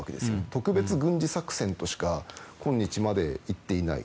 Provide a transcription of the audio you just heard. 特別軍事作戦としか今日まで言っていない。